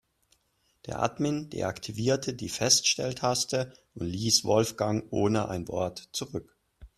Der Admin deaktivierte die Feststelltaste und ließ Wolfgang ohne ein Wort zurück.